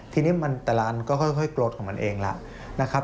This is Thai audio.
ทีนี้แต่ละอันก็ค่อยโกรธของมันเองแล้ว